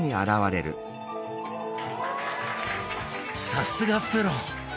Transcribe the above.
さすがプロ！